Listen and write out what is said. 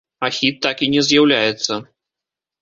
А хіт так і не з'яўляецца.